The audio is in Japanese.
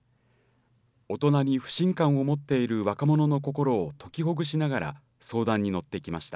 大人に不信感を持っている若者の心を解きほぐしながら相談に乗ってきました。